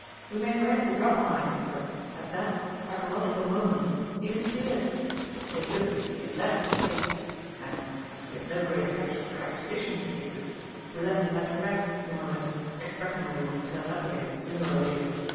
We made ready to drop on Isaac, but, at that psychological moment, he disappeared. It looked, as if he had left the States, and, as we have no great affection for extradition cases, we let the matter rest, more or less, expecting that he would turn up again, sooner or later.